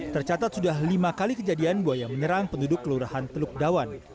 tercatat sudah lima kali kejadian buaya menyerang penduduk kelurahan teluk dawan